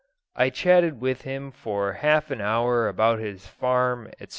I chatted with him for half an hour about his farm, etc.